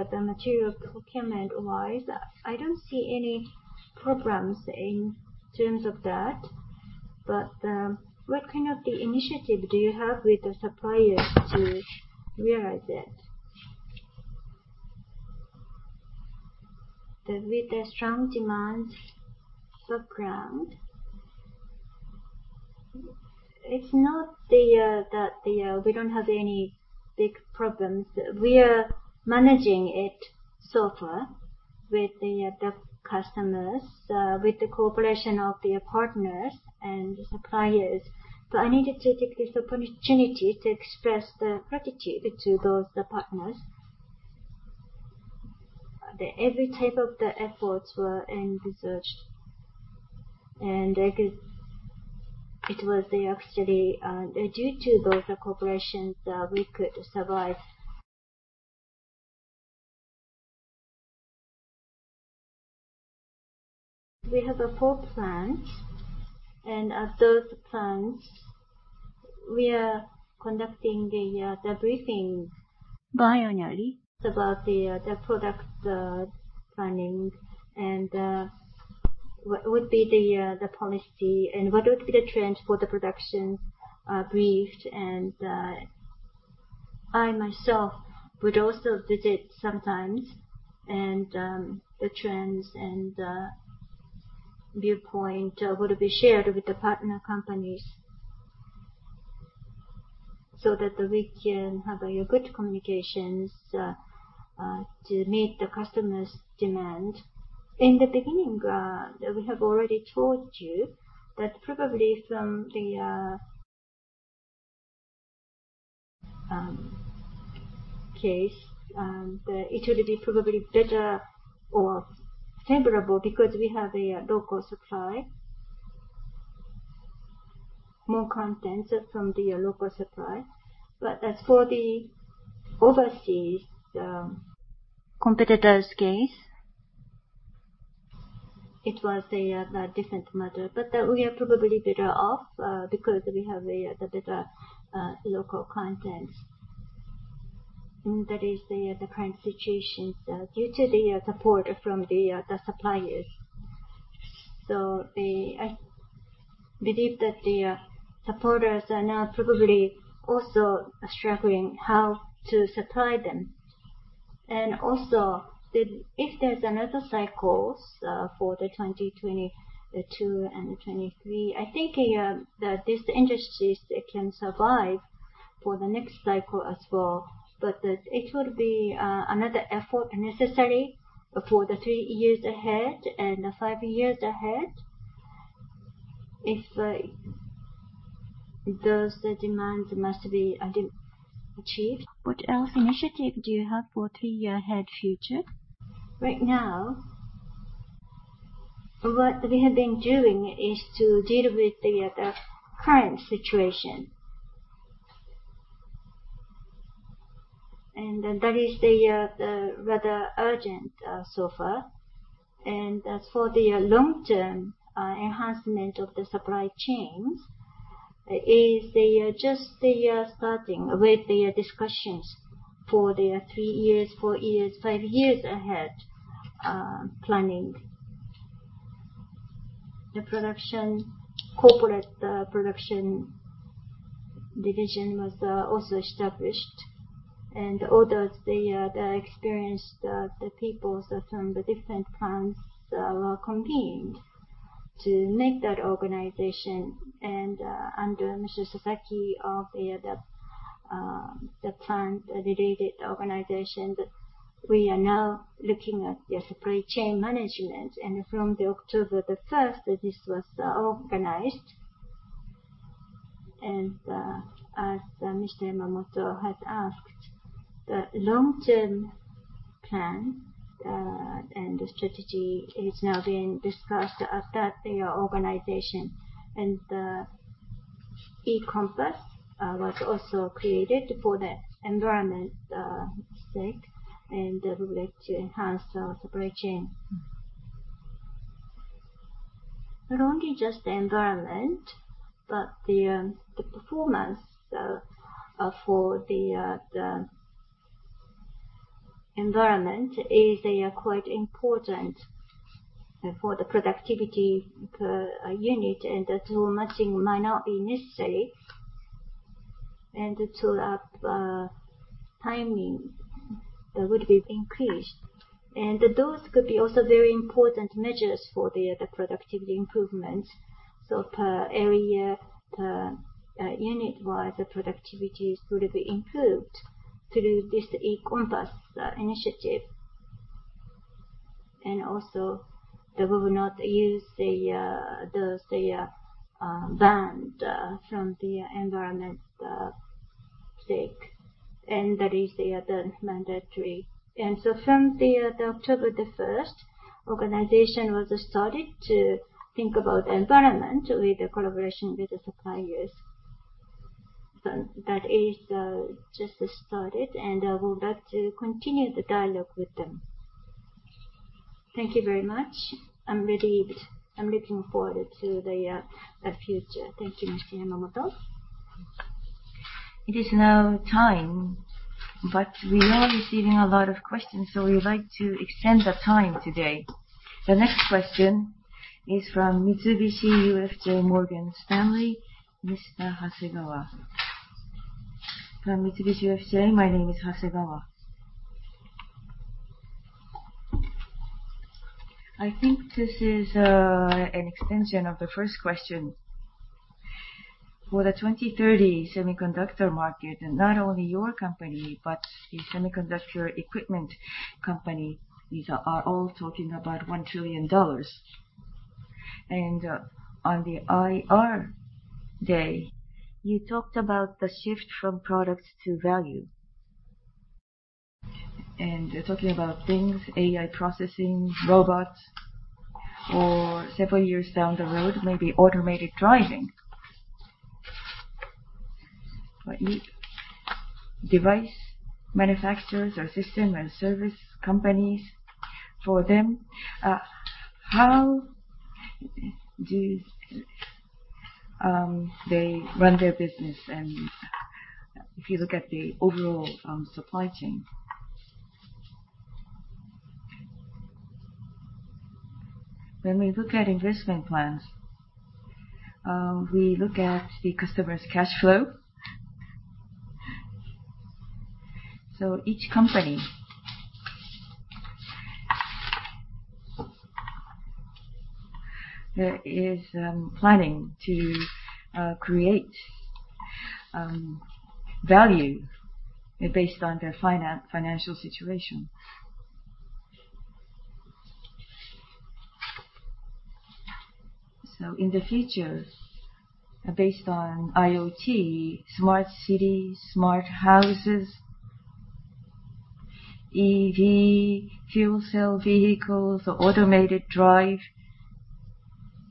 the material procurement-wise, I don't see any problems in terms of that. What kind of the initiative do you have with the suppliers to realize it? That with the strong demand background, it's not that we don't have any big problems. We are managing it so far with the customers with the cooperation of the partners and suppliers. I needed to take this opportunity to express the gratitude to those partners. Every type of the efforts were envisaged, and it was actually due to those cooperations that we could survive. We have a full plan. As those plans, we are conducting the briefings bilaterally about the product planning and what would be the policy and what would be the trends for the production, briefed. I myself would also visit sometimes and the trends and viewpoint would be shared with the partner companies so that we can have a good communications to meet the customers' demand. In the beginning, we have already told you that probably from the case it will be probably better or favorable because we have a local supply, more content from the local supply. As for the overseas competitors case, it was a different matter. We are probably better off because we have the better local content. That is the current situation due to the support from the suppliers. I believe that the suppliers are now probably also struggling how to supply them. If there's another cycle for 2022 and 2023, I think that these industries can survive for the next cycle as well. It will be another effort necessary for the 3 years ahead and 5 years ahead if those demands must be achieved. What else initiative do you have for 3-year ahead future? Right now, what we have been doing is to deal with the current situation. That is the rather urgent so far. As for the long-term enhancement of the supply chains, they are starting with their discussions for their 3 years, 4 years, 5 years ahead planning. The corporate production division was also established. All those experienced people from the different plants were convened to make that organization. Under Mr. Sasaki of the plant related organization that we are now looking at the supply chain management. From October the first, this was organized. As Mr. Yamamoto has asked, the long-term plan and the strategy is now being discussed at that organization. The E-COMPASS was also created for the environment sake, and would like to enhance our supply chain. Not only just the environment, but the performance for the environment is quite important for the productivity per unit, and the tool matching might not be necessary. The tool timing would be increased. Those could be also very important measures for the productivity improvements. Per area, per unit-wise, the productivity would have been improved through this E-COMPASS initiative. They will not use those banned for the environment's sake, and that is mandatory. From October the first, organization was started to think about environment with the collaboration with the suppliers. That is just started, and I would like to continue the dialogue with them. Thank you very much. I'm relieved. I'm looking forward to the future. Thank you, Mr. Yamamoto. It is now time, but we are receiving a lot of questions, so we would like to extend the time today. The next question is from Mitsubishi UFJ Morgan Stanley, Mr. Hasegawa. From Mitsubishi UFJ, my name is Hasegawa. I think this is an extension of the first question. For the 2030 semiconductor market, not only your company, but the semiconductor equipment company, these are all talking about $1 trillion. On the IR day, you talked about the shift from product to value. You're talking about things, AI processing, robots, or several years down the road, maybe automated driving. Device manufacturers or system and service companies, for them, how do they run their business? If you look at the overall supply chain. When we look at investment plans, we look at the customer's cash flow. Each company is planning to create value based on their financial situation. In the future, based on IoT, smart cities, smart houses, EV, fuel cell vehicles, automated drive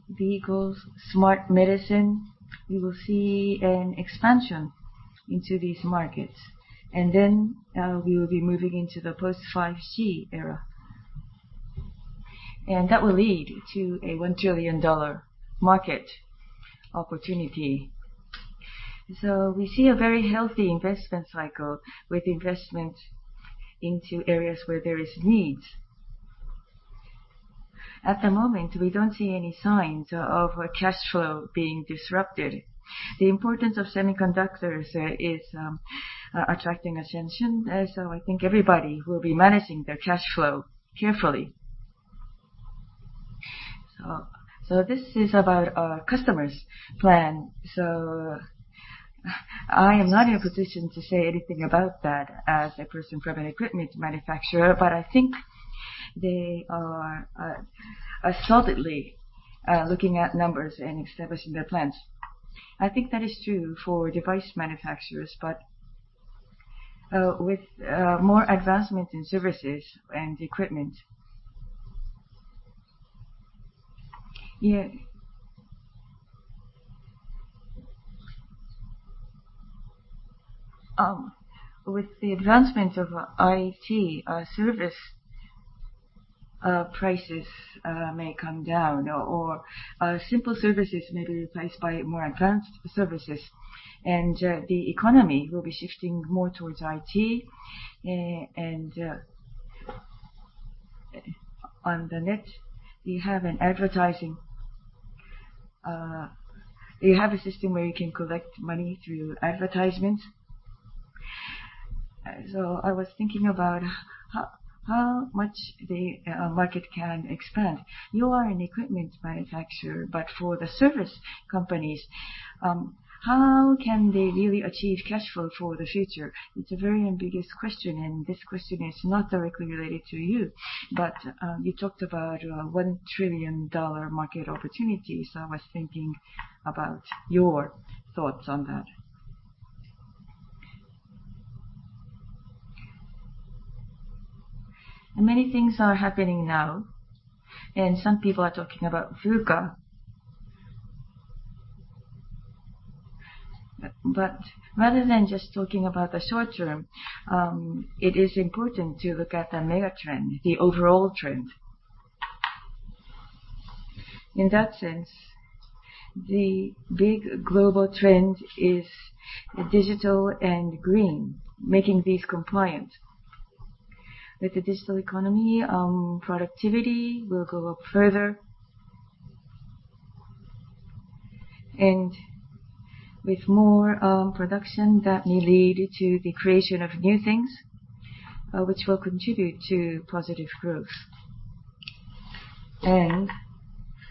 vehicles, smart medicine, we will see an expansion into these markets. We will be moving into the post 5G era. That will lead to a $1 trillion market opportunity. We see a very healthy investment cycle with investment into areas where there is needs. At the moment, we don't see any signs of cash flow being disrupted. The importance of semiconductors is attracting attention. I think everybody will be managing their cash flow carefully. This is about our customers' plan. I am not in a position to say anything about that as a person from an equipment manufacturer, but I think they are solidly looking at numbers and establishing their plans. I think that is true for device manufacturers, but with more advancement in services and equipment. With the advancement of IT, service prices may come down or simple services may be replaced by more advanced services, and the economy will be shifting more towards IT. On the net, you have an advertising, you have a system where you can collect money through advertisements. I was thinking about how much the market can expand. You are an equipment manufacturer, but for the service companies, how can they really achieve cash flow for the future? It's a very ambiguous question, and this question is not directly related to you. You talked about a $1 trillion market opportunity, so I was thinking about your thoughts on that. Many things are happening now, and some people are talking about VUCA. Rather than just talking about the short term, it is important to look at the megatrend, the overall trend. In that sense, the big global trend is digital and green, making these compliant. With the digital economy, productivity will go up further. With more production, that may lead to the creation of new things, which will contribute to positive growth.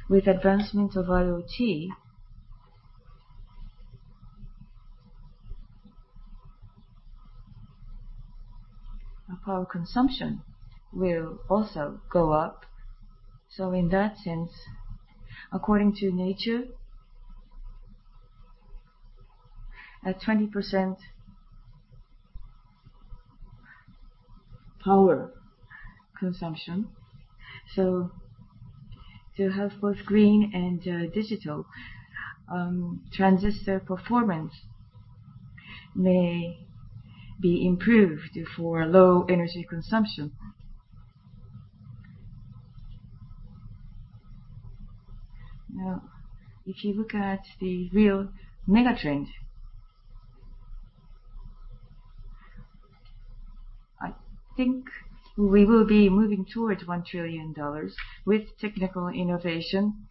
With advancement of IoT, power consumption will also go up. In that sense, according to nature, at 20% power consumption. To have both green and digital, transistor performance may be improved for low energy consumption. Now, if you look at the real megatrends, I think we will be moving towards $1 trillion with technical innovation,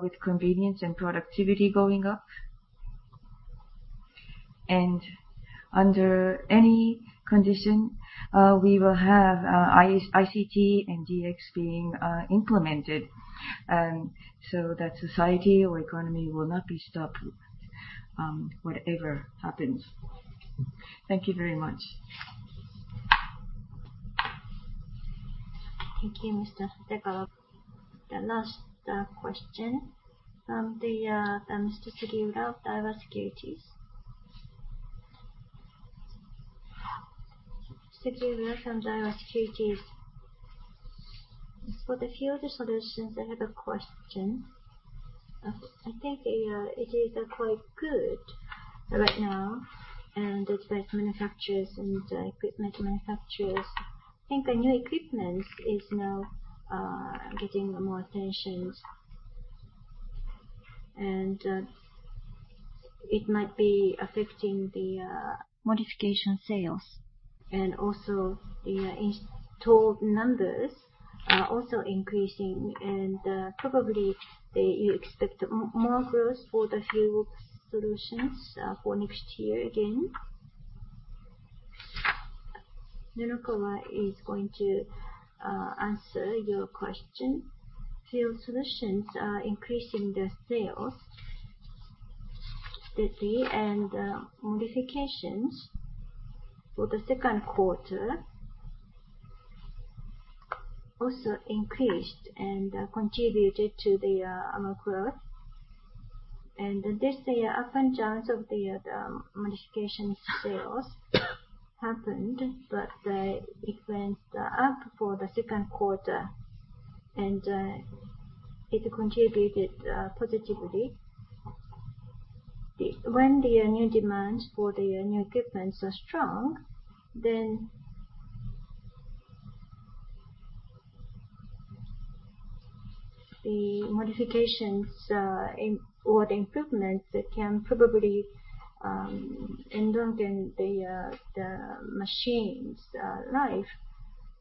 with convenience and productivity going up. Under any condition, we will have ICT and DX being implemented, so that society or economy will not be stopped, whatever happens. Thank you very much. Thank you, Mr. Hasegawa. The last question from Mr. Sugiura of Daiwa Securities. Sugiura from Daiwa Securities. For the Field Solutions, I have a question. I think it is quite good right now, and device manufacturers and equipment manufacturers. I think the new equipment is now getting more attention. It might be affecting the modification sales. Also the installed numbers are increasing, and probably you expect more growth for the Field Solutions for next year again. Nunokawa is going to answer your question. Field Solutions are increasing sales steadily, and modifications for the second quarter also increased and contributed to the growth. This year, ups and downs of the modification sales happened, but it went up for the second quarter, and it contributed positively. When the new demands for the new equipments are strong, then the modifications or the improvements can probably lengthen the machine's life.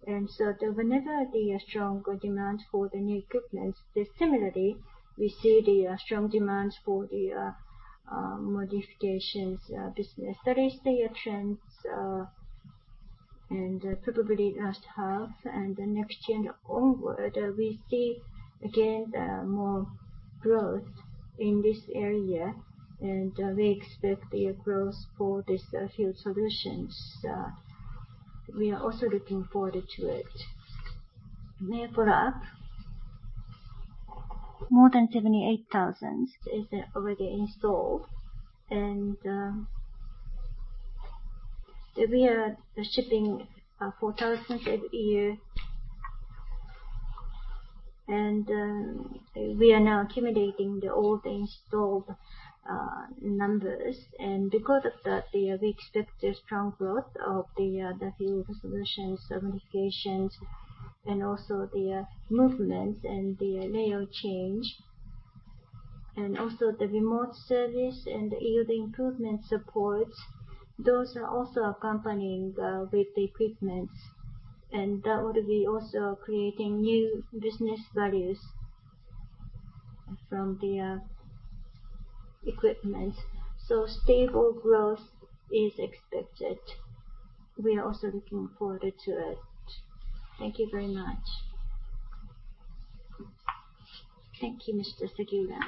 Whenever the strong demand for the new equipment is similarly, we see the strong demands for the modifications business. That is the trends, and probably last half and the next year onward, we see again the more growth in this area, and we expect the growth for this Field Solutions. We are also looking forward to it. More than 78,000 is already installed, and we are shipping 4,000 every year. We are now accumulating the old installed numbers. Because of that, we expect a strong growth of the Field Solutions, modifications, and also the movements and the layout change. The remote service and yield improvement supports, those are also accompanying with the equipment. That would be also creating new business values from the equipment. Stable growth is expected. We are also looking forward to it. Thank you very much. Thank you, Mr. Sugiura.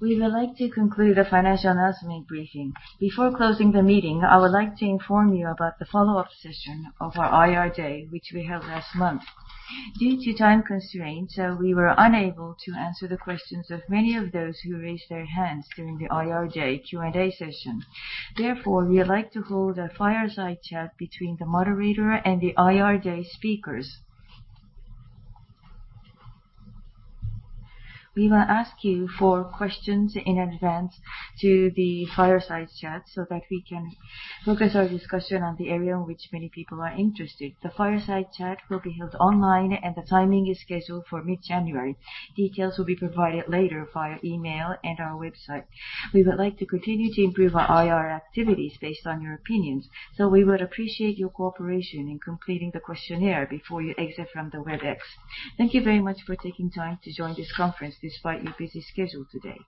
We would like to conclude the financial announcement briefing. Before closing the meeting, I would like to inform you about the follow-up session of our IR Day, which we held last month. Due to time constraints, we were unable to answer the questions of many of those who raised their hands during the IR Day Q&A session. Therefore, we would like to hold a fireside chat between the moderator and the IR Day speakers. We will ask you for questions in advance to the fireside chat so that we can focus our discussion on the area in which many people are interested. The fireside chat will be held online, and the timing is scheduled for mid-January. Details will be provided later via email and our website. We would like to continue to improve our IR activities based on your opinions, so we would appreciate your cooperation in completing the questionnaire before you exit from the Webex. Thank you very much for taking time to join this conference despite your busy schedule today.